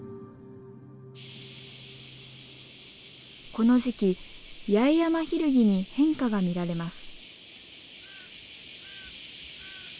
この時期ヤエヤマヒルギに変化が見られます。